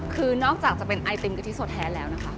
คือนอกจากจะเป็นไอติมกะทิสดแท้แล้วนะคะ